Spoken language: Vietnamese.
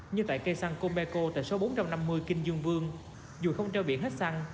như tại cây xăng cô mê cô tại số bốn trăm năm mươi kinh dương vương dù không trao biển hết xăng